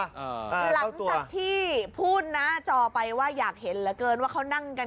เออเออเท่าตัวหลังจากที่พูดนะจอไปว่าอยากเห็นเหลือเกินว่าเขานั่งกัน